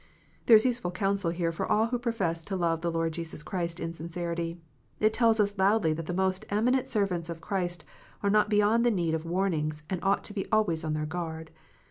There is useful counsel here for all who profess to love the Lord Jesus Christ in sincerity. It tells us loudly that the most eminent servants of Christ are not beyond the need of warnings, and ought to be always on their guard.